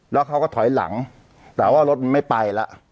แล้วเขาก็ถอยหลังแต่ว่ารถมันไม่ไปแล้ว